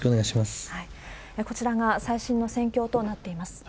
こちらが最新の戦況となっています。